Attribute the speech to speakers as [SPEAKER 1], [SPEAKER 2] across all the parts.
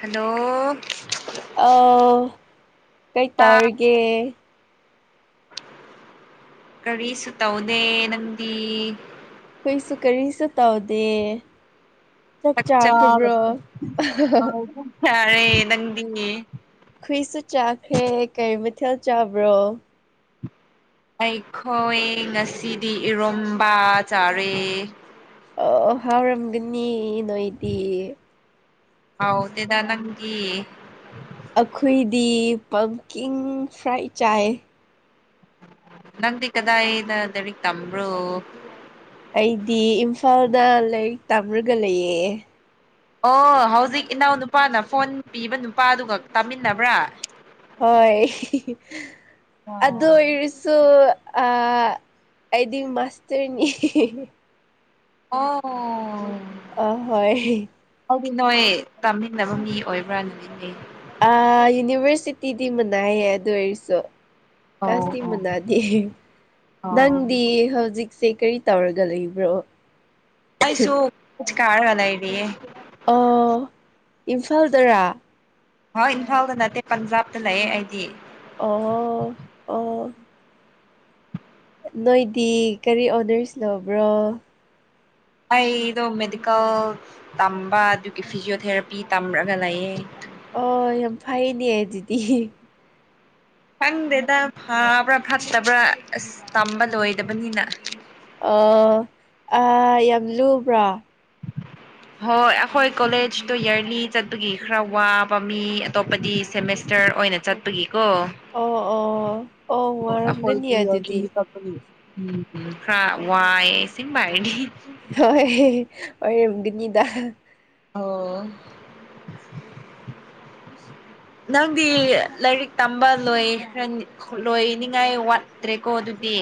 [SPEAKER 1] hello
[SPEAKER 2] ꯑꯥꯎ ꯀꯩ ꯇꯧꯔꯤꯒꯦ
[SPEAKER 1] ꯀꯔꯤꯁꯨꯨ ꯇꯧꯗꯦ ꯅꯪꯗꯤ
[SPEAKER 2] ꯑꯩꯈꯣꯏꯁꯨ ꯀꯔꯤꯁꯨ ꯇꯧꯗꯦ ꯆꯥꯛ ꯆꯥꯈ꯭ꯔꯕ꯭ꯔꯣ
[SPEAKER 1] ꯌꯥꯔꯦ ꯅꯪꯗꯤ
[SPEAKER 2] ꯈꯨꯏꯁꯨ ꯆꯥꯈ꯭ꯔꯦ ꯀꯩ ꯃꯊꯦꯜ ꯆꯥꯕ꯭ꯔꯣ
[SPEAKER 1] ꯑꯩꯈꯣꯏ ꯉꯁꯤꯗꯤ ꯏꯔꯣꯝꯕ ꯆꯥꯔꯦ
[SPEAKER 2] ꯑꯣ ꯍꯥꯎꯔꯝꯒꯅꯤ ꯅꯣꯏꯗꯤ
[SPEAKER 1] ꯍꯥꯎꯇ‌ꯦꯗ ꯅꯪꯗꯤ
[SPEAKER 2] ꯑꯩꯈꯣꯏꯗꯤ ꯄꯝꯀꯤꯡ ꯐ꯭ꯔꯥꯏ ꯆꯥꯏ
[SPEAKER 1] ꯅꯪꯗꯤ ꯀꯗꯥꯏꯗ ꯂꯥꯏꯔꯤꯛ ꯇꯝꯕ꯭ꯔꯣ
[SPEAKER 2] ꯑꯩꯗꯤ ꯏꯝꯐꯥꯜꯗ ꯂꯥꯏꯔꯤꯛ ꯇꯝꯔꯒ ꯂꯩꯌꯦ
[SPEAKER 1] ꯑꯣ ꯍꯧꯖꯤꯛ ꯏꯅꯥꯎ ꯅꯨꯄꯥꯅ ꯐꯣꯟ ꯄꯤꯕ ꯅꯨꯄꯥꯗꯨꯒ ꯇꯥꯃꯤꯟꯅꯕ꯭ꯔꯥ
[SPEAKER 2] ꯍꯣꯏ ꯑꯗꯨ
[SPEAKER 1] ꯑꯣ
[SPEAKER 2] ꯑꯣꯏꯔꯁ ꯗꯨ ꯑ ꯑꯩꯗꯤ ꯃꯥꯁꯇꯔꯅꯤ
[SPEAKER 1] ꯑꯣ
[SPEAKER 2] ꯑ ꯍꯣꯏ
[SPEAKER 1] ꯑꯗꯨꯗꯤ ꯅꯣꯏ ꯇꯥꯃꯤꯟꯅꯕ ꯃꯤ ꯑꯣꯏꯕ꯭ꯔꯥ ꯅꯨꯃꯤꯅꯦ
[SPEAKER 2] ꯑ ꯌꯨꯅꯤꯚꯔꯁꯤꯇꯤꯗꯤ ꯃꯅꯥꯏꯌꯦ ꯑꯗꯨ ꯑꯣꯏꯔꯁꯨ
[SPEAKER 1] ꯑꯣ
[SPEAKER 2] ꯑꯁꯇ
[SPEAKER 1] ꯑꯣ
[SPEAKER 2] ꯃꯅꯥꯗꯤ
[SPEAKER 1] ꯑꯣ
[SPEAKER 2] ꯅꯪꯗꯤ ꯍꯧꯖꯤꯛꯁꯦ ꯀꯔꯤ ꯇꯧꯔꯒ ꯂꯩꯕ꯭ꯔꯣ
[SPEAKER 1] ꯑꯩꯁꯨ [unintelligible] ꯀꯥꯔꯒ ꯂꯏꯔꯤꯌꯦ
[SPEAKER 2] ꯑꯣ ꯏꯝꯐꯥꯜꯗꯔꯥ
[SPEAKER 1] ꯍꯣꯏ ꯏꯝꯐꯥꯜꯗ ꯅꯠꯇꯦ ꯄꯟꯖꯥꯕꯇ ꯂꯩꯌꯦ ꯑꯩꯗꯤ
[SPEAKER 2] ꯑꯣ ꯑꯣ ꯅꯣꯏꯗꯤ ꯀꯔꯤ ꯑꯣꯅꯔꯁ ꯂꯧꯕ꯭ꯔꯣ
[SPEAKER 1] ꯑꯩꯗꯣ ꯃꯦꯗꯤꯀꯦꯜ ꯇꯝꯕ ꯑꯗꯨꯒꯤ ꯐꯤꯖꯤꯑꯣꯊꯦꯔꯥꯄꯤ ꯇꯝꯔꯒ ꯂꯩꯌꯦ
[SPEAKER 2] ꯑꯣ ꯌꯥꯝ ꯐꯩꯅꯦ ꯑꯗꯨꯗꯤ
[SPEAKER 1] ꯈꯪꯗꯦꯗ ꯐꯥꯕ꯭ꯔꯥ ꯐꯠꯇꯕ꯭ꯔꯥ ꯑꯁ ꯇꯝꯕ ꯂꯣꯏꯗꯕꯅꯤꯅ
[SPEAKER 2] ꯑꯣ ꯑ ꯌꯥꯝ ꯂꯨꯕ꯭ꯔꯣ
[SPEAKER 1] [inaudible] ꯍꯣꯏ ꯑꯩꯈꯣꯏ ꯀꯣꯂꯦꯖꯇꯣ ꯌꯔꯂꯤ ꯆꯠꯄꯒꯤ ꯈꯔ ꯋꯥꯕ ꯃꯤ ꯑꯇꯣꯞꯄꯗꯤ ꯁꯦꯃꯦꯁꯇꯔ ꯑꯣꯏꯅ ꯆꯠꯄꯒꯤꯀꯣ
[SPEAKER 2] ꯑꯣ ꯑꯣ ꯑꯣ
[SPEAKER 1] ꯑꯩꯈꯣꯏ
[SPEAKER 2] ꯋꯥꯔꯝꯒꯅꯤ
[SPEAKER 1] [unintelligible] ꯎ
[SPEAKER 2] ꯑꯗꯨꯗꯤ
[SPEAKER 1] ꯎꯝ ꯎ ꯈꯔ ꯋꯥꯏ ꯏꯁꯤꯡꯕ ꯍꯥꯏꯔꯗꯤ
[SPEAKER 2] ꯍꯣꯏ ꯑꯣꯏꯔꯝꯒꯅꯤꯗ
[SPEAKER 1] ꯑꯣ ꯅꯪꯗꯤ ꯂꯥꯏꯔꯤꯛ ꯇꯝꯕ ꯂꯣꯏꯈ꯭ꯔꯅꯤ ꯂꯣꯏꯅꯤꯡꯉꯥꯏ ꯋꯥꯠꯇ꯭ꯔꯦꯀꯣ ꯑꯗꯨꯗꯤ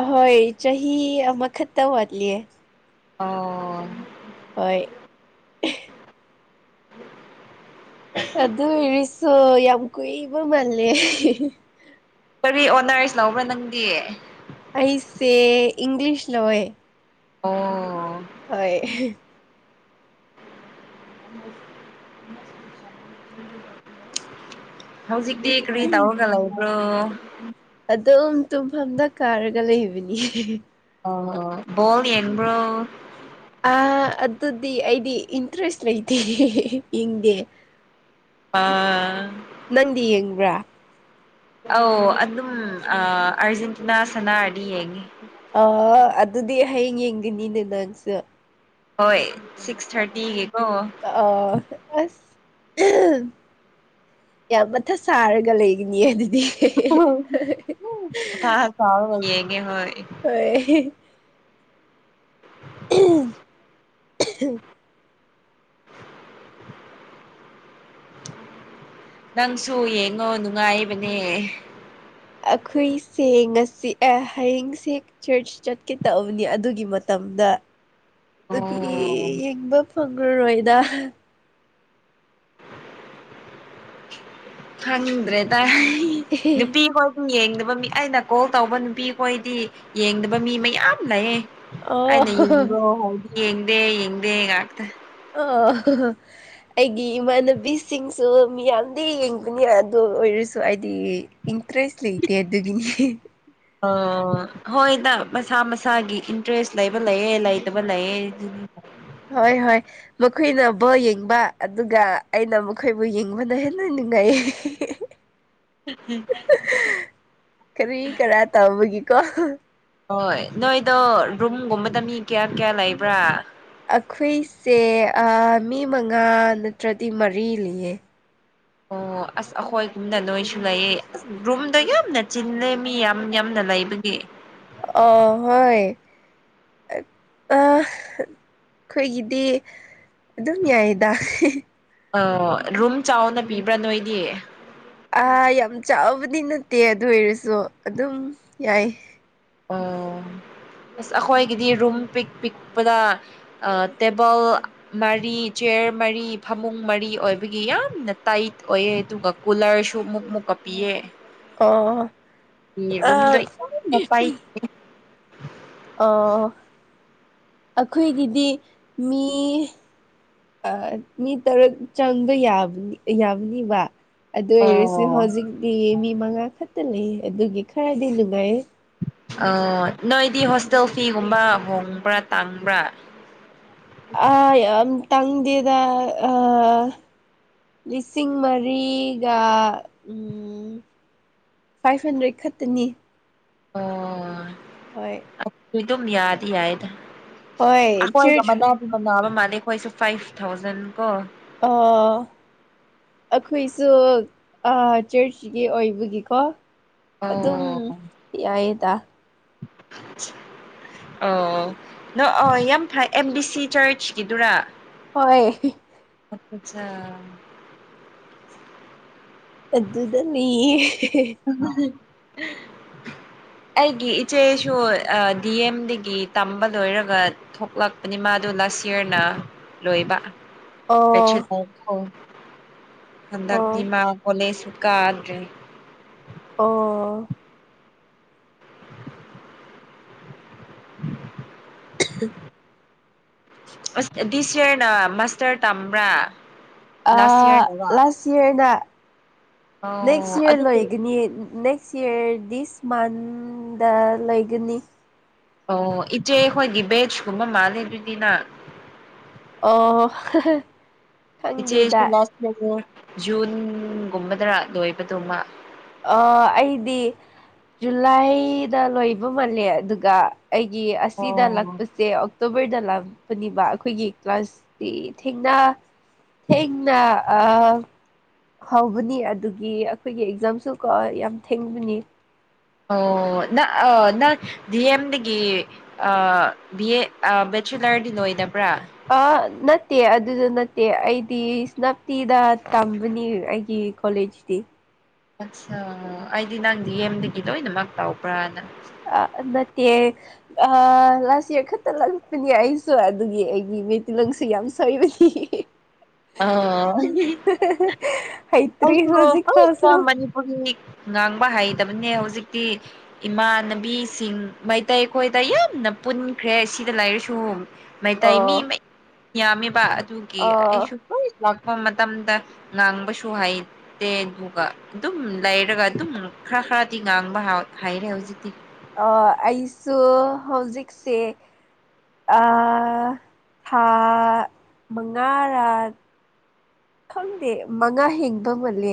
[SPEAKER 2] ꯑꯍꯣꯏ ꯆꯍꯤ ꯑꯃꯈꯛꯇ ꯋꯥꯠꯂꯤꯌꯦ
[SPEAKER 1] ꯑꯍ‌ꯣ
[SPEAKER 2] ꯍꯣꯏ
[SPEAKER 1] [inaudible]
[SPEAKER 2] ꯑꯗꯨ ꯑꯣꯏꯔꯁꯨ ꯌꯥꯝ ꯀꯨꯏꯕ ꯃꯥꯜꯂꯦ
[SPEAKER 1] ꯀꯔꯤ ꯑꯣꯅꯔꯁ ꯂꯧꯕ꯭ꯔ ꯅꯪꯗꯤ
[SPEAKER 2] ꯑꯩꯁꯦ ꯏꯪꯂꯤꯁ ꯂꯧꯋ‌ꯦ
[SPEAKER 1] ꯑꯣ
[SPEAKER 2] ꯍꯣꯏ
[SPEAKER 1] [inaudible] ꯍꯧꯖꯤꯛꯇꯤ ꯀꯔꯤ ꯇꯧꯔꯒ ꯂꯩꯕ꯭ꯔꯣ
[SPEAKER 2] ꯑꯗꯨꯝ ꯇꯨꯝꯐꯝꯗ ꯀꯥꯔꯒ ꯂꯩꯕꯅꯤ
[SPEAKER 1] ꯑ ꯕꯣꯜ ꯌꯦꯡꯕ꯭ꯔꯣ
[SPEAKER 2] ꯑ ꯑꯗꯨꯗꯤ ꯑꯩꯗꯤ ꯏꯟꯇꯔꯦꯁ ꯂꯩꯇꯦ ꯌꯦꯡꯗꯦ
[SPEAKER 1] ꯑꯥ
[SPEAKER 2] ꯅꯪꯗꯤ ꯌꯦꯡꯕ꯭ꯔꯥ
[SPEAKER 1] ꯑꯧ ꯑꯗꯨꯝ ꯑꯥꯔꯖꯦꯟꯇꯤꯅꯥ ꯁꯅꯥꯔꯗꯤ ꯌꯦꯡꯉꯤ
[SPEAKER 2] ꯑ ꯑꯗꯨꯗꯤ ꯍꯌꯦꯡ ꯌꯦꯡꯒꯅꯤꯅꯦ ꯅꯪꯁꯨꯦ
[SPEAKER 1] ꯍꯣꯏ ꯁꯤꯛꯁ ꯊꯥꯔꯇꯤꯒꯤꯀꯣ
[SPEAKER 2] ꯑꯧ ꯑꯁ ꯌꯥꯝ ꯃꯊꯥ ꯁꯥꯔꯒ ꯂꯩꯒꯅꯤꯌꯦ ꯑꯗꯨꯗꯤ
[SPEAKER 1] [unintelligible] ꯃꯊꯥ ꯁꯥꯔꯒ ꯌ‌ꯦꯡꯉ‌ꯦ ꯍꯣꯏ
[SPEAKER 2] ꯍ‌ꯣꯏ
[SPEAKER 1] [inaudible]
[SPEAKER 2] [inaudible]
[SPEAKER 1] ꯅꯪꯁꯨ ꯌꯦꯡꯉꯣ ꯅꯨꯡꯉꯥꯏꯕꯅꯦ
[SPEAKER 2] ꯑꯩꯈꯣꯏꯁꯤ ꯉꯁꯤ ꯑ ꯍꯌꯦꯡꯁꯦ ꯆꯔꯆ ꯆꯠꯀꯦ ꯇꯛꯕꯅꯤ ꯑꯗꯨꯒꯤ ꯃꯇꯝꯗ ꯑꯗꯨꯒꯤ
[SPEAKER 1] ꯑꯣ
[SPEAKER 2] ꯌꯦꯡꯕ ꯐꯪꯉꯔꯣꯏꯗ
[SPEAKER 1] ꯈꯪꯗ꯭ꯔꯦꯗ ꯅꯨꯄꯤ ꯍꯣꯏ ꯄ ꯌꯦꯡꯗꯕ ꯃꯤ ꯑꯩꯅ ꯀꯣꯜ ꯇꯧꯕ ꯅꯨꯄꯤꯈꯣꯏꯗꯤ ꯌꯦꯡꯗꯕ ꯃꯤ ꯃꯌꯥꯝ ꯂꯩ
[SPEAKER 2] ꯑꯣ
[SPEAKER 1] ꯑꯩꯅ ꯌꯦꯡꯕ꯭ꯔꯣ ꯍꯥꯏꯗꯤ ꯌꯦꯡꯗꯦ ꯌꯦꯡꯗꯦ ꯉꯥꯛꯇ
[SPEAKER 2] ꯑꯣ ꯑꯩꯒꯤ ꯏꯃꯥꯟꯅꯕꯤꯁꯤꯡꯁꯨ ꯃꯤꯌꯥꯝꯗꯤ ꯌꯦꯡꯕꯅꯤ ꯑꯗꯨ ꯑꯣꯏꯔꯁꯨ ꯑꯩꯗꯤ ꯏꯟꯇꯔꯦꯁ ꯂꯩꯇꯦ ꯑꯗꯨꯒꯤꯅꯤ
[SPEAKER 1] ꯑꯣ ꯍꯣꯏꯗ ꯃꯁꯥ ꯃꯁꯥꯒꯤ ꯏꯟꯇꯔꯦꯁ ꯂꯩꯕ ꯂꯩꯌ‌ꯦ ꯂꯩꯇꯕ ꯂꯩꯌꯦ
[SPEAKER 2] ꯍꯣꯏ ꯍꯣꯏ ꯃꯈꯣꯏꯅ ꯕꯣꯜ ꯌꯦꯡꯕ ꯑꯗꯨꯒ ꯑꯩꯅ ꯃꯈꯣꯏꯕꯨ ꯌꯦꯡꯕꯅ ꯍꯦꯟꯅ ꯅꯨꯡꯉꯥꯏꯌꯦ
[SPEAKER 1] [unintelligible]
[SPEAKER 2] ꯀꯔꯤ ꯀꯔꯥ ꯇꯧꯕꯒꯤꯀꯣ
[SPEAKER 1] ꯍꯣꯏ ꯅꯣꯏꯗꯣ ꯔꯨꯝꯒꯨꯝꯕꯗ ꯃꯤ ꯀꯌꯥ ꯀꯌꯥ ꯂꯩꯕ꯭ꯔꯥ
[SPEAKER 2] ꯑꯩꯈꯣꯏꯁꯦ ꯑ ꯃꯤ ꯃꯉꯥ ꯅꯠꯇ꯭ꯔꯗꯤ ꯃꯔꯤ ꯂꯩꯌꯦ
[SPEAKER 1] ꯑꯣ ꯑꯁ ꯑꯩꯈꯣꯏꯒꯨꯝꯅ ꯅ‌ꯣꯏꯁꯨ ꯂꯩꯌ‌ꯦ ꯑꯁ ꯔꯨꯝꯗꯣ ꯌꯥꯝꯅ ꯆꯤꯜꯂꯦ ꯃꯤ ꯌꯥꯝ ꯌꯥꯝꯅ ꯂꯩꯕꯒꯤ
[SPEAKER 2] ꯑ ꯍꯣꯏ ꯑ ꯑꯩꯈꯣꯏꯒꯤꯗꯤ ꯑꯗꯨꯝ ꯌꯥꯏꯌꯦꯗꯥ
[SPEAKER 1] ꯑ ꯔꯨꯝ ꯆꯥꯎꯅ ꯄꯤꯕ꯭ꯔꯥ ꯅꯣꯏꯗꯤ
[SPEAKER 2] ꯌꯥꯝ ꯆꯥꯎꯕꯗꯤ ꯅꯠꯇꯦ ꯑꯗꯨ ꯑꯣꯏꯔꯁꯨ ꯑꯗꯨꯝ ꯌꯥꯏ
[SPEAKER 1] ꯑꯣ ꯑꯁ ꯑꯩꯈꯣꯏꯒꯤꯗꯤ ꯔꯨꯝ ꯄꯤꯛ ꯄꯤꯛꯄꯗ ꯑ ꯇꯦꯕꯜ ꯃꯔꯤ ꯆꯤꯌꯔ ꯃꯔꯤ ꯐꯃꯨꯡ ꯃꯔꯤ ꯑꯣꯏꯕꯒꯤ ꯌꯥꯝꯅ ꯇꯥꯏꯠ ꯑꯣꯏꯌꯦ ꯑꯗꯨꯒ ꯀꯨꯂꯔꯁꯨ ꯃꯨꯛ ꯃꯨꯛꯀ ꯄꯤꯌ‌ꯦ
[SPEAKER 2] ꯑꯣ
[SPEAKER 1] ꯔꯨꯝꯗ ꯌꯥꯝ ꯇꯥꯏꯠ
[SPEAKER 2] ꯑꯣ ꯑꯩꯈꯣꯏꯒꯤꯗꯤ ꯃꯤ ꯑ ꯃꯤ ꯇꯔꯨꯛ ꯆꯪꯕ ꯌꯥꯕꯅꯤ ꯌꯥꯕꯅꯤꯕ ꯑꯗꯨ ꯑꯣꯏꯔꯁꯨ
[SPEAKER 1] ꯑꯣ
[SPEAKER 2] ꯍꯧꯖꯤꯛꯇꯤ ꯃꯤ ꯃꯉꯥ ꯈꯛꯇ ꯂꯩꯌ‌ꯦ ꯑꯗꯨꯒꯤ ꯈꯔꯗꯤ ꯅꯨꯡꯉꯥꯏꯌ‌ꯦ
[SPEAKER 1] ꯑꯣ ꯅꯣꯏꯗꯤ ꯍꯣꯁꯇꯦꯜ ꯐꯤꯒꯨꯝꯕ ꯍꯣꯡꯕ꯭ꯔꯥ ꯇꯥꯡꯕ꯭ꯔꯥ
[SPEAKER 2] ꯑ ꯌꯥꯝ ꯇꯥꯡꯗ‌ꯦꯗ ꯑ ꯂꯤꯁꯤꯡ ꯃꯔꯤꯒ ꯎꯝ ꯐꯥꯏ ꯍꯟꯗ꯭ꯔꯦꯠ ꯈꯛꯇꯅꯤ ꯍꯣꯏ
[SPEAKER 1] ꯑꯣ ꯑꯗꯨ ꯑꯗꯨꯝ ꯌꯥꯗꯤ ꯌꯥꯏꯗ
[SPEAKER 2] ꯍꯣꯏ
[SPEAKER 1] ꯑꯩꯈꯣꯏꯒ
[SPEAKER 2] ꯆꯔꯆ
[SPEAKER 1] ꯃꯅꯥꯗꯨꯕ ꯃꯅꯥꯕ ꯃꯥꯜꯂꯦ ꯑꯩꯈꯣꯏꯁꯨ ꯐꯥꯏꯚ ꯊꯥꯎꯖꯟ ꯀꯣ
[SPEAKER 2] ꯑꯣ ꯑꯩꯈꯣꯏꯁꯨ ꯑ ꯆ꯭ꯔꯁꯀꯤ ꯑꯣꯏꯕꯒꯤꯀꯣ ꯑꯗꯨꯝ
[SPEAKER 1] ꯑꯣ
[SPEAKER 2] ꯌꯥꯏꯌꯦꯗ
[SPEAKER 1] [inaudible] ꯑꯣ ꯅ ꯑꯣ ꯌꯥꯝ ꯐꯩ ꯑꯦꯝ ꯕꯤ ꯁꯤ ꯆꯔꯆꯀꯤꯗꯨꯔꯥ
[SPEAKER 2] ꯍꯣꯏ
[SPEAKER 1] ꯑ ꯑꯆꯥ
[SPEAKER 2] ꯑꯗꯨꯗꯅꯤ
[SPEAKER 1] [unintelligible] ꯑꯩꯒꯤ ꯏꯆꯦꯁꯨ ꯗꯤ ꯑꯦꯝꯗꯒꯤ ꯇꯝꯕ ꯂꯣꯏꯔꯒ ꯊꯣꯛꯂꯛꯄꯅꯤ ꯃꯥꯗꯨ ꯂꯥꯁ ꯌꯔꯅ ꯂꯣꯏꯕ
[SPEAKER 2] ꯑꯣ
[SPEAKER 1] [unintelligible] ꯍꯟꯗꯛꯇꯤ
[SPEAKER 2] ꯑꯣ
[SPEAKER 1] ꯃꯥ ꯀꯣꯂꯦꯖꯁꯨ ꯀꯥꯗ꯭ꯔꯦ
[SPEAKER 2] ꯑꯣ
[SPEAKER 1] [inaudible]
[SPEAKER 2] [unintelligible]
[SPEAKER 1] ꯑꯁ ꯗꯤꯁ ꯌꯔꯅ ꯃꯥꯁꯇꯔ ꯇꯝꯕ꯭ꯔꯥ
[SPEAKER 2] ꯑ
[SPEAKER 1] ꯂꯥꯁ ꯌꯔꯅꯔꯣ
[SPEAKER 2] ꯂꯥꯁ ꯌꯥꯔꯅ ꯅꯦꯛꯁ
[SPEAKER 1] ꯑꯣ
[SPEAKER 2] ꯌꯔ
[SPEAKER 1] ꯑꯗꯨ
[SPEAKER 2] ꯂꯣꯏꯒꯅꯤꯌ‌ꯦ ꯅꯦꯛꯁ ꯁꯤꯛꯁ ꯏꯌꯥꯔ ꯗꯤꯁ ꯃꯟꯗ ꯂ‌ꯣꯏꯒꯅꯤ
[SPEAKER 1] ꯑꯣ ꯏꯆꯦ ꯈꯣꯏꯒꯤ ꯕꯦꯖꯀꯨꯝꯕ ꯃꯥꯂꯦ ꯑꯗꯨꯗꯤ ꯅ‌ꯪ
[SPEAKER 2] ꯑꯣ
[SPEAKER 1] ꯏꯆꯦꯁꯨ
[SPEAKER 2] ꯈꯪꯗꯦꯗ
[SPEAKER 1] ꯂꯥꯁ [unintelligible] ꯖꯨꯟꯒꯨꯝꯕꯗꯔ ꯂꯣꯏꯕꯗꯨ ꯃꯥ
[SPEAKER 2] ꯑ ꯑꯩꯗꯤ ꯖꯨꯂꯥꯏꯗ ꯂꯣꯏꯕ ꯃꯥꯜꯂꯦ ꯑꯗꯨꯒ ꯑꯩꯒꯤ ꯑꯁꯤꯗ
[SPEAKER 1] ꯑꯣ
[SPEAKER 2] ꯂꯛꯄꯁꯦ ꯑꯣꯛꯇꯣꯕꯔꯗ ꯂꯥꯛꯄꯅꯤꯕ ꯑꯩꯈꯣꯏꯒꯤ ꯀ꯭ꯂꯥꯁꯇꯤ ꯊꯦꯡꯅ ꯊꯦꯡꯅ ꯑ ꯍꯧꯕꯅꯤ ꯑꯗꯨꯒꯤ ꯑꯩꯈꯣꯏꯒꯤ ꯑꯦꯛꯖꯥꯝꯁꯨ ꯀꯣ ꯌꯥꯝ ꯊꯦꯡꯕꯅꯤ
[SPEAKER 1] ꯑꯣ ꯅꯪ ꯑ ꯅꯪ ꯗꯤ ꯑꯦꯝꯗꯒꯤ ꯑ ꯕꯤ ꯑꯦ ꯑ ꯕꯦꯆꯂꯔꯗꯤ ꯂꯣꯏꯗꯕ꯭ꯔꯥ
[SPEAKER 2] ꯑ ꯅꯠꯇꯦ ꯑꯗꯨꯗ ꯅꯠꯇꯦ ꯑꯩꯗꯤ ꯁ꯭ꯅꯞꯇꯤꯗ ꯇꯝꯕꯅꯤ ꯑꯩꯒꯤ ꯀꯣꯂꯦꯖꯇꯤ
[SPEAKER 1] ꯑꯠꯁꯥ ꯑꯩꯗꯤ ꯅꯪ ꯗꯤ ꯌꯦꯝꯗꯒꯤ ꯂꯣꯏꯅꯃꯛ ꯇꯥꯎꯕ꯭ꯔꯥꯅ
[SPEAKER 2] ꯑꯩ ꯅꯠꯇꯤꯌ‌ꯦ ꯑ ꯂꯥꯁ ꯏꯌꯥꯔ ꯈꯛꯇ ꯂꯥꯛꯄꯅꯦ ꯑꯩꯁꯨ ꯑꯗꯨꯒꯤ ꯑꯩꯒꯤ ꯃꯩ ꯇꯤꯂꯣꯡꯁꯨ ꯌꯥꯝ ꯁꯣꯏꯕꯅꯤ
[SPEAKER 1] ꯑꯣ
[SPEAKER 2] ꯍꯩꯇ꯭ꯔꯤ
[SPEAKER 1] [unintelligible]
[SPEAKER 2] ꯍꯧꯖꯤꯛ ꯐꯥꯎꯁꯨ
[SPEAKER 1] [unintelligible] ꯉꯥꯡꯕ ꯍꯩꯇꯕꯅꯦ ꯍꯧꯖꯤꯛꯇꯤ ꯏꯃꯥꯟꯅꯕꯤꯁꯤꯡ ꯃꯩꯇꯩ ꯈꯣꯏꯗ ꯌꯥꯝꯅ ꯄꯨꯟꯈ꯭ꯔꯦ ꯁꯤꯗ ꯂꯥꯏꯔꯤꯛꯁꯨ ꯃꯩꯇꯩ ꯃꯤ
[SPEAKER 2] ꯑꯣ
[SPEAKER 1] ꯃ ꯌꯥꯝꯃꯦꯕ ꯑꯗꯨꯒꯤ
[SPEAKER 2] ꯑ
[SPEAKER 1] ꯑꯩꯁꯨ ꯍꯣꯏ ꯂꯥꯛꯄ ꯃꯇꯝꯗ ꯉꯥꯡꯕꯁꯨ ꯍꯩ ꯇꯦ ꯑꯗꯨꯒ ꯑꯗꯨꯝ ꯂꯩꯔꯒ ꯑꯗꯨꯝ ꯈꯔ ꯈꯔꯗꯤ ꯉꯥꯡꯕ ꯍꯥꯏꯔꯦ ꯍꯧꯖꯤꯛꯇꯤ
[SPEAKER 2] ꯑꯣ ꯑꯩꯁꯨ ꯍꯧꯖꯤꯛꯁꯦ ꯑꯥ ꯊꯥ ꯃꯉꯥꯔꯥ ꯈꯪꯗꯦ ꯃꯉꯥ ꯍꯦꯟꯕ ꯃꯥꯜꯂꯦ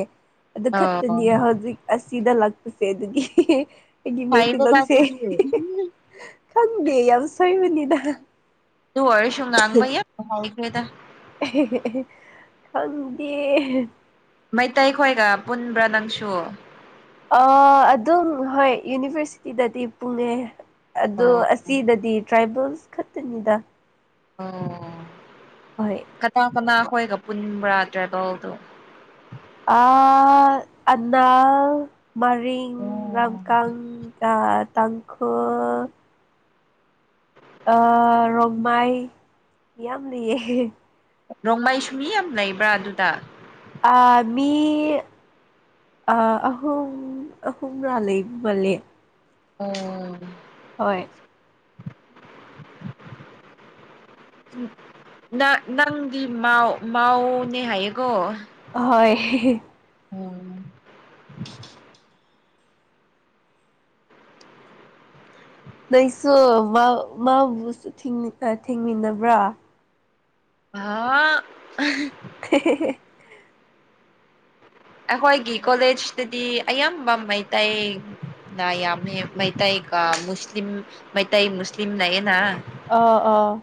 [SPEAKER 2] ꯑꯗꯨ
[SPEAKER 1] ꯑꯣ
[SPEAKER 2] ꯈꯛꯇꯅꯤ ꯍꯧꯖꯤꯛ ꯑꯁꯤꯗ ꯂꯥꯛꯄꯁ‌ꯦ ꯑꯗꯨꯒꯤ ꯑꯩꯒꯤ ꯃꯩꯇꯩ
[SPEAKER 1] ꯐꯩꯗ
[SPEAKER 2] ꯂ‌ꯣꯟꯁ‌ꯦ
[SPEAKER 1] ꯑꯗꯨꯗꯤ
[SPEAKER 2] ꯈꯪꯗꯦ ꯌꯥꯝ ꯁ‌ꯣꯏꯕꯅꯤꯗ
[SPEAKER 1] ꯑꯗꯨ ꯑꯣꯏꯔꯁꯨꯨ ꯉꯥꯡꯕ ꯌꯥꯝ ꯍꯩꯈ꯭ꯔ‌ꯦꯗ
[SPEAKER 2] ꯑꯦ ꯈꯪꯗꯦ
[SPEAKER 1] ꯃꯩꯇꯩꯈꯣꯏꯒ ꯄꯨꯟꯕ꯭ꯔꯥ ꯅꯪꯁꯨ
[SPEAKER 2] ꯑ ꯑꯗꯨꯝ ꯍꯣꯏ ꯌꯨꯅꯤꯚꯔꯁꯤꯇꯤꯗꯗꯤ ꯄꯨꯡꯉꯦ ꯑꯗꯣ
[SPEAKER 1] ꯑꯣ
[SPEAKER 2] ꯑꯁꯤꯗꯗꯤ ꯇ꯭ꯔꯥꯏꯕꯦꯜꯁ ꯈꯛꯇꯅꯤꯗ
[SPEAKER 1] ꯑꯣ
[SPEAKER 2] ꯍꯣꯏ
[SPEAKER 1] ꯀꯅꯥ ꯀꯅꯥ ꯈꯣꯏꯒ ꯄꯨꯟꯕ꯭ꯔꯥ ꯇ꯭ꯔꯥꯏꯕꯦꯜꯗꯨ
[SPEAKER 2] ꯑ ꯑꯅꯥ ꯃꯔꯤꯡ ꯔꯝꯀꯪ ꯇꯥꯡꯈꯨꯜ ꯑ ꯔꯣꯡꯃꯥꯏ ꯌꯥꯝ ꯂꯩꯌꯦ
[SPEAKER 1] ꯔ‌ꯣꯡꯃꯩꯏꯁꯨ ꯃꯤ ꯌꯥꯝ ꯂꯩꯩꯕ꯭ꯔꯥ ꯑꯗꯨꯗ
[SPEAKER 2] ꯑ ꯃꯤ ꯑ ꯑꯍꯨꯝ ꯑꯍꯨꯝꯥ ꯂꯩꯕ ꯃꯥꯜꯂꯦ
[SPEAKER 1] ꯑꯣ
[SPEAKER 2] ꯍꯣꯏ
[SPEAKER 1] [inaudible] ꯅ ꯅꯪꯗꯤ ꯃꯧ ꯃꯧꯅꯦ ꯍꯥꯏꯌꯦꯀꯣ
[SPEAKER 2] ꯑꯍꯣꯏ
[SPEAKER 1] ‌ꯎꯝ
[SPEAKER 2] ꯅ‌ꯣꯏꯁꯨ ꯃꯥꯎ ꯃꯥꯎꯕꯨꯁꯨ ꯊꯦꯡꯃꯤꯟꯅꯕ꯭ꯔꯥ
[SPEAKER 1] [unintelligible]
[SPEAKER 2] [unintelligible]
[SPEAKER 1] ꯑꯩꯈꯣꯏꯒꯤ ꯀꯣꯂꯦꯖꯇꯗꯤ ꯑꯌꯥꯝꯕ ꯃꯩꯇꯩ ꯅ ꯌꯥꯝꯃ‌ꯦ ꯃꯩꯇꯩꯏ ꯒꯤ ꯃꯨꯁꯂꯤꯝ ꯃꯩꯇꯩ ꯃꯨꯁꯂꯤꯝ ꯂꯩꯌ‌ꯦꯅ
[SPEAKER 2] ꯑꯥ ꯑꯥꯎ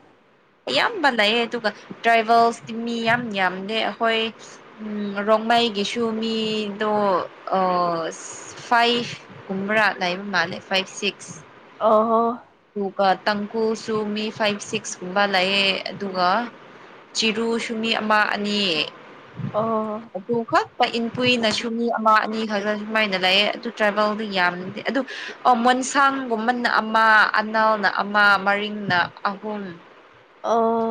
[SPEAKER 1] ꯑꯌꯥꯝꯕ ꯂꯩꯌꯦ ꯑꯗꯨꯒ ꯇ꯭ꯔꯥꯏꯕꯦꯜꯁꯀꯤ ꯃꯤ ꯌꯥꯝ ꯌꯥꯝꯗꯦ ꯑꯩꯈꯣꯏ ꯎꯝ ꯔꯣꯡꯃꯩꯒꯤꯁꯨ ꯃꯤꯗꯣ ꯑꯥ ꯐꯥꯏꯚ ꯀꯨꯝꯕ꯭ꯔꯥ ꯂꯩꯕ ꯃꯥꯜꯂꯦ ꯐꯥꯏꯚ ꯁꯤꯛꯁ
[SPEAKER 2] ꯑꯣ ꯍꯣ
[SPEAKER 1] ꯑꯗꯨꯒ ꯇꯥꯡꯈꯨꯜꯁꯨ ꯃꯤ ꯐꯥꯏꯚ ꯁꯤꯛꯁꯀꯨꯝꯕ ꯂꯩꯌꯦ ꯑꯗꯨꯒ ꯆꯤꯔꯨꯁꯨ ꯃꯤ ꯑꯃ ꯑꯅꯤ
[SPEAKER 2] ꯑꯣ
[SPEAKER 1] ꯑꯗꯨ ꯈꯛ ꯄꯥꯏ ꯏꯟ ꯀꯨꯏꯅꯁꯨ ꯃꯤ ꯑꯃ ꯑꯅꯤ ꯈꯛ ꯈ ꯁꯨꯃꯥꯏꯅ ꯂꯥꯛꯑꯦ ꯑꯗꯨ ꯇ꯭ꯔꯥꯕꯦꯜꯗꯤ ꯌꯥꯝꯅꯤꯡꯗꯦ ꯑꯗꯨ ꯑꯣ ꯃꯣꯟꯁꯥꯡꯒꯨꯝꯕꯅ ꯑꯃ ꯑꯅꯥꯜꯅ ꯑꯃ ꯃꯔꯤꯡꯅ ꯑꯍꯨꯝ
[SPEAKER 2] ꯑꯣ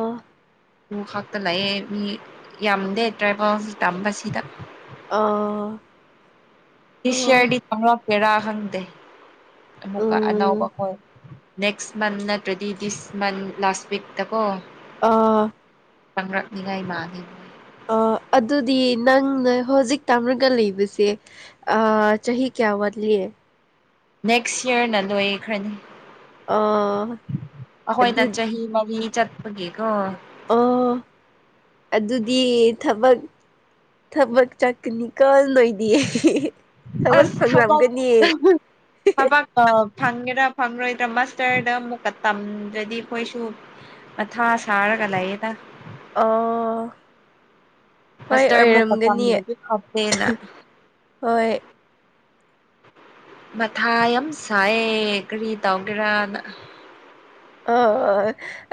[SPEAKER 1] ꯑꯗꯨ ꯈꯥꯛꯇ ꯂꯩꯌꯦ ꯃꯤ ꯌꯥꯝꯗꯦ ꯇ꯭ꯔꯥꯚꯦꯜ ꯇꯝꯕꯁꯤꯗ
[SPEAKER 2] ꯑꯥ
[SPEAKER 1] ꯅꯦꯛꯁꯏꯌꯥꯔꯗꯤ ꯇꯝꯔꯛꯀꯦꯔ ꯈꯪꯗꯦ ꯑꯃꯨꯛꯀ ꯑꯅꯧꯕ
[SPEAKER 2] ꯎꯝ
[SPEAKER 1] ꯈꯣꯏ ꯅꯦꯛꯁ ꯃꯟ ꯅꯠꯇ꯭ꯔꯗꯤ ꯗꯤꯁ ꯃꯟ ꯂꯥꯁ ꯋꯤꯛꯇ ꯀꯣ
[SPEAKER 2] ꯑꯥ
[SPEAKER 1] ꯆꯉꯛꯅꯤꯉꯥꯏ ꯃꯥꯅꯦ
[SPEAKER 2] ꯑ ꯑꯗꯨꯗꯤ ꯅꯪꯅ ꯍꯧꯖꯤꯛ ꯇꯥꯃꯔꯒ ꯂꯩꯕꯁꯦ ꯑ ꯆꯍꯤ ꯀꯌꯥ ꯋꯥꯠꯂꯤ
[SPEAKER 1] ꯅꯦꯛꯁ ꯌꯔꯅ ꯂꯣꯏꯈ꯭ꯔꯅꯤ
[SPEAKER 2] ꯑꯥ
[SPEAKER 1] ꯑꯩꯈꯣꯏꯅ
[SPEAKER 2] ꯑꯗꯨ
[SPEAKER 1] ꯆꯍꯤ ꯃꯔꯤ ꯆꯠꯄꯒꯤꯀꯣ
[SPEAKER 2] ꯑꯣ ꯑꯗꯨꯗꯤ ꯊꯕꯛ ꯊꯕꯛ ꯆꯠꯀꯅꯤꯀꯣ ꯂꯣꯏ ꯗꯤ ꯊꯕꯛ
[SPEAKER 1] ꯑꯁ
[SPEAKER 2] ꯐꯪꯂꯝꯒꯅꯤ
[SPEAKER 1] ꯑ ꯐꯪꯒꯦꯔꯥ ꯐꯪꯔꯣꯏꯗ꯭ꯔꯥ ꯃꯁꯇꯔꯗ ꯑꯃꯨꯛꯀ ꯇꯝꯗ꯭ꯔꯗꯤ ꯑꯩꯈꯣꯏꯁꯨ ꯃꯊꯥ ꯁꯥꯔꯒ ꯂꯩꯌꯦꯗꯥ
[SPEAKER 2] ꯑꯣ ꯍꯣꯏ
[SPEAKER 1] ꯃꯁꯇꯔ ꯑꯃꯨꯛꯀ
[SPEAKER 2] ꯑꯣꯏꯔꯝꯒꯅꯤ
[SPEAKER 1] ꯇꯝꯕꯗꯤ ꯐꯈꯔꯦꯅ
[SPEAKER 2] ꯍꯣꯏ
[SPEAKER 1] ꯃꯊꯥ ꯌꯥꯝ ꯁꯥꯏꯌꯦ ꯀꯔꯤ ꯇꯧꯒꯦꯔꯅ
[SPEAKER 2] ꯑ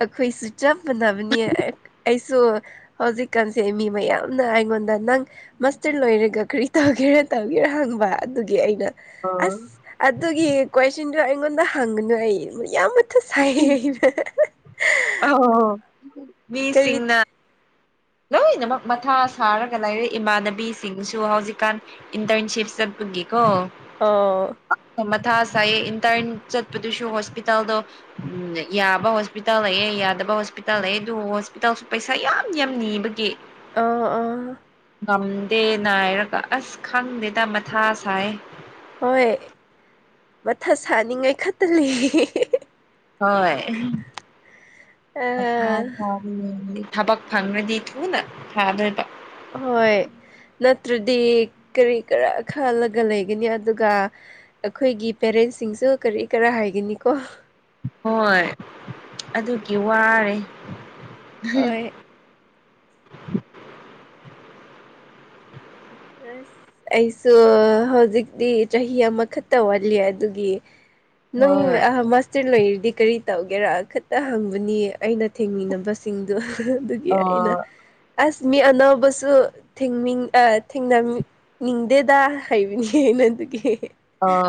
[SPEAKER 2] ꯑꯩꯈꯣꯏꯁꯨ ꯆꯞ ꯃꯥꯟꯅꯕꯅꯤ ꯁꯨ ꯍꯧꯖꯤꯛꯀꯥꯟꯁꯦ ꯃꯤ ꯃꯌꯥꯝꯅ ꯑꯩꯉꯣꯟꯗ ꯅꯪ ꯃꯥꯁꯇꯔ ꯂꯣꯏꯔꯦꯒ ꯀꯔꯤ ꯇꯧꯒꯦꯔ ꯇꯧꯒꯦꯔꯥ ꯍꯪꯕ ꯑꯗꯨꯒꯤ ꯑꯩꯅ
[SPEAKER 1] ꯑꯥ
[SPEAKER 2] ꯑꯁ ꯑꯗꯨꯒꯤ ꯀꯣꯏꯁꯟꯗꯨ ꯑꯩꯉꯣꯟꯗ ꯍꯪꯒꯅꯨ ꯑꯩ ꯌꯥꯝ ꯃꯊꯥ [unintelligible]
[SPEAKER 1] ꯑꯧ
[SPEAKER 2] ꯀꯔꯤ
[SPEAKER 1] ꯃꯤꯁꯤꯡꯅ ꯂꯣꯏꯅꯃꯛ ꯃꯊꯥ ꯁꯥꯔꯒ ꯂꯩꯥꯏꯔꯤ ꯏꯃꯥꯟꯅꯕꯤꯁꯤꯡꯁꯨ ꯍꯧꯖꯤꯛꯀꯥꯟ ꯏꯟꯇꯔꯟꯁꯤꯞ ꯆꯠꯄꯒꯤꯀꯣ
[SPEAKER 2] [unintelligible]
[SPEAKER 1] ꯃꯊꯥ ꯁꯥꯏꯌꯦ ꯏꯟꯇꯟ ꯆꯠꯄꯗꯨꯁꯨ ꯍꯣꯁꯄꯤꯇꯥꯜꯗꯣ ꯎꯝ ꯌꯥꯕ ꯍꯣꯁꯄꯤꯇꯥꯜ ꯂꯩꯌꯦ ꯌꯥꯗꯕ ꯍꯣꯁꯄꯤꯇꯥꯜ ꯂꯩꯌꯦ ꯑꯗꯨ ꯍꯣꯁꯄꯤꯇꯥꯜꯁꯨ ꯄꯩꯁꯥ ꯌꯥꯝ ꯌꯥꯝ ꯅꯤꯕꯒꯤ
[SPEAKER 2] ꯑꯥ ꯑꯥ
[SPEAKER 1] ꯉꯝꯗꯦ ꯅꯥꯏꯔꯒ ꯑꯁ ꯈꯪꯗꯦꯗ ꯃꯊꯥ ꯁꯥꯏ
[SPEAKER 2] ꯍꯣꯏ ꯃꯊꯥ ꯁꯥꯅꯤꯡꯉꯥꯏ ꯈꯛꯇ ꯂꯩ
[SPEAKER 1] ꯍꯣꯏ
[SPEAKER 2] ꯑꯥ
[SPEAKER 1] [unintelligible] ꯊꯕꯛ ꯐꯪꯉꯗꯤ ꯊꯨꯅ ꯐꯗꯣꯏꯕ
[SPEAKER 2] ꯍꯣꯏ ꯅꯠꯇ꯭ꯔꯗꯤ ꯀꯔꯤ ꯀꯔ ꯈꯜꯂꯒ ꯂꯩꯒꯅꯤ ꯑꯗꯨꯒ ꯑꯩꯈꯣꯏꯒꯤ ꯄꯦꯔꯦꯟꯁꯁꯤꯡꯁꯨ ꯀꯔꯤ ꯀꯔꯥ ꯍꯥꯏꯒꯅꯤꯀꯣ
[SPEAKER 1] ꯍꯣꯏ ꯑꯗꯨꯒꯤ ꯋꯥꯔꯦ
[SPEAKER 2] ꯍꯣꯏ [unintelligible] ꯑꯩꯁꯨ ꯍꯧꯖꯤꯛ ꯆꯍꯤ ꯑꯃꯈꯛꯇ ꯋꯥꯠꯂꯤ ꯑꯗꯨꯒꯤ ꯅꯪ
[SPEAKER 1] ꯍꯣꯏ
[SPEAKER 2] ꯃꯥꯁꯇꯔ ꯂꯩꯔꯤꯗꯤ ꯀꯔꯤ ꯇꯧꯒꯦꯔꯥ ꯈꯛꯇ ꯍꯪꯕꯅꯤ ꯑꯩꯅ ꯊꯦꯡꯃꯤꯟꯅꯕꯁ ꯁꯤꯡꯗꯣ ꯑꯗꯨꯒꯤ
[SPEAKER 1] ꯑ
[SPEAKER 2] ꯑꯩꯅ ꯑꯁ ꯃꯤ ꯑꯅꯧꯕꯁꯨ ꯊꯤꯡꯅꯤꯡ ꯑ ꯊꯦꯡꯅ ꯅꯤꯡꯗꯦꯗ ꯍꯩꯕꯅꯤ ꯑꯩꯅ ꯑꯗꯨꯒꯤ
[SPEAKER 1] ꯑ